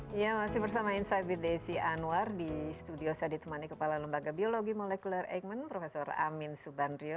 ya masih bersama insight with desi anwar di studio saya ditemani kepala lembaga biologi molekuler eijkman prof amin subandrio